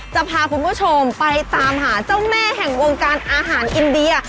จะพาคุณผู้ชมไปตามหาเจ้าแม่แห่งวงการอาหารอินเดีย